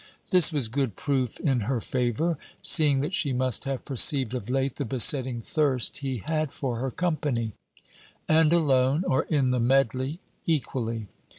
This was good proof in her favour, seeing that she must have perceived of late the besetting thirst he had for her company; and alone or in the medley equally.